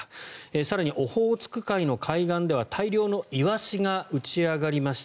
更にオホーツク海の海岸では大量のイワシが打ち上がりました。